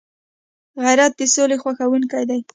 غیرت د سولي خوښونکی دی